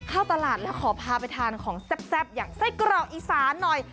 เข้าตลาดแล้วขอพาไปทานของแซ่บอย่างไส้กรอกอีสานหน่อย